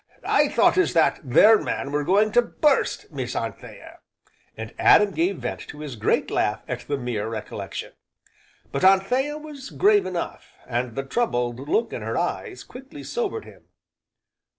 I thought as that there man were going to burst, Miss Anthea!" and Adam gave vent to his great laugh at the mere recollection. But Anthea was grave enough, and the troubled look in her eyes quickly sobered him.